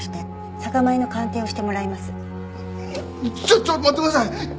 ちょちょ待ってください！